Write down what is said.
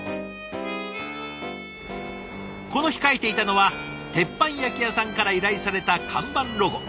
この日書いていたのは鉄板焼き屋さんから依頼された看板ロゴ。